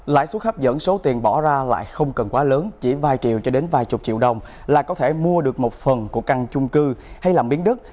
lãi suất hấp dẫn số tiền bỏ ra loại không cần quá lớn chỉ vài triệu cho đến vài chục triệu đồng là có thể mua được một phần của căn chung cư hay là biến đức